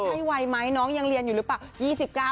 ใช่วัยไหมน้องยังเรียนอยู่หรือเปล่า